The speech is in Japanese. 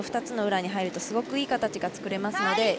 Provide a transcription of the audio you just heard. ２つの裏に入るとすごくいい形が作れますので。